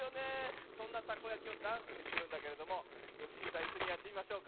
そんなたこやきをダンスにするんだけれどもよしにいさんいっしょにやってみましょうか。